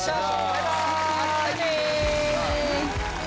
バイバイ！